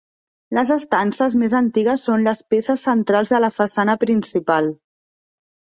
Les estances més antigues són les peces centrals de la façana principal.